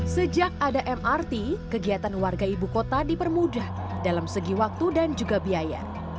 sejak ada mrt kegiatan warga ibu kota dipermudah dalam segi waktu dan juga biaya